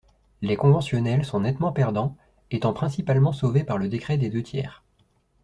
Les conventionnels sont nettement perdants, étant principalement sauvés par le décret des deux tiers.